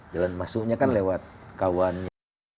jalan masuknya kan lewat kawannya